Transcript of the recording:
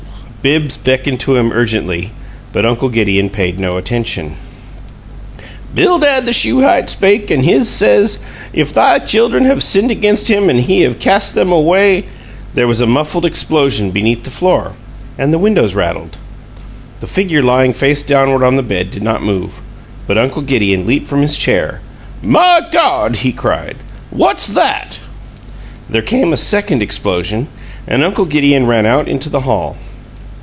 Bibbs beckoned him urgently, but Uncle Gideon paid no attention. "Bildad the Shuhite spake and he says, 'If thy children have sinned against Him and He have cast them away '" There was a muffled explosion beneath the floor, and the windows rattled. The figure lying face downward on the bed did not move, but Uncle Gideon leaped from his chair. "My God!" he cried. "What's that?" There came a second explosion, and Uncle Gideon ran out into the hall.